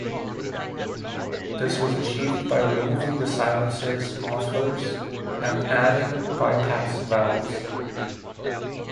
This was achieved by removing the silencers (mufflers) and adding bypass valves.